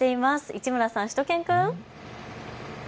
市村さん、しゅと犬くん。